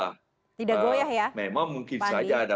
tidak goyah ya